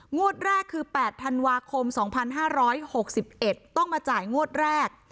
งวดแรกคือ๘ธันวาคม๒๕๖๑ต้องมาจ่ายงวดแรก